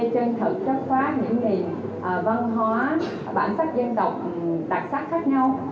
chân thật chất phát những nền văn hóa bản sắc dân tộc đặc sắc khác nhau